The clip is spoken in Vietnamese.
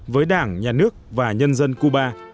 với đảng nhà nước và nhân dân cuba